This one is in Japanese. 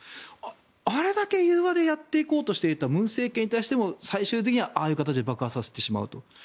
あれだけ融和でやっていこうとしていた文政権に対しても最終的には、ああいう形で爆破させてしまうと。